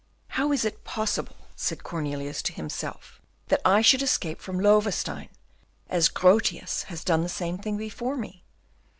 "How is it possible," said Cornelius to himself, "that I should escape from Loewestein, as Grotius has done the same thing before me?